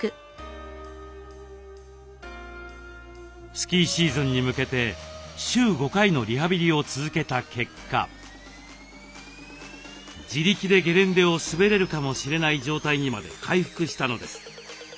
スキーシーズンに向けて週５回のリハビリを続けた結果自力でゲレンデを滑れるかもしれない状態にまで回復したのです。